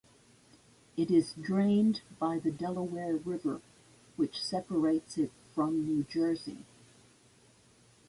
It is drained by the Delaware River, which separates it from New Jersey.